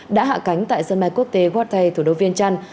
đã hạ cánh tại sân bay quốc tế watti thủ đô viên trăn